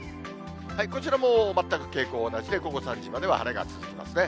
こちらも全く傾向同じで、午後３時までは晴れが続きますね。